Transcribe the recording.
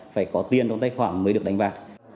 phải có tiền trong tài khoản mới được đánh bạc